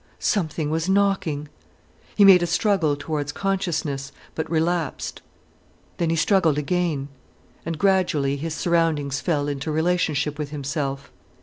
Something was knocking. He made a struggle towards consciousness, but relapsed. Then he struggled again. And gradually his surroundings fell into relationship with himself.